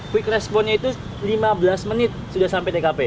quick responnya itu lima belas menit sudah sampai tkp